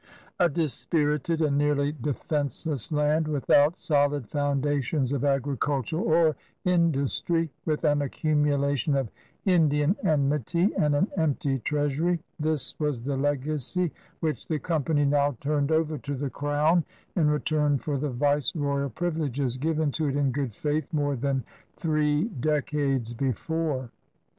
A dispirited and nearly defenseless land, without solid foundations of agriculture or industry, with an accumulation of Indian enmity and an empty treastury — ^this was the legacy which the Company now tinned over to the Crown in retmn for the viceroyal privileges given to it in good faith more than three decades brfore.